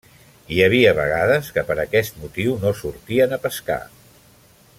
Hi havia vegades que, per aquest motiu, no sortien a pescar.